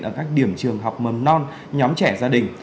ở các điểm trường học mầm non nhóm trẻ gia đình